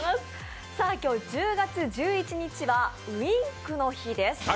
今日１０月１１日はウインクの日です。